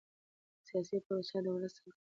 سیاسي پروسه د ولس حق دی